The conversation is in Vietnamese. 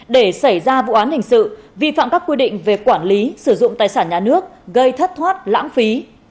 để xảy ra vụ án hình sự vi phạm các quy định về quản lý sử dụng tài sản nhà nước gây thất thoát lãng phí